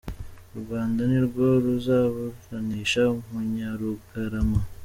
U Rwanda ni rwo ruzaburanisha Munyarugarama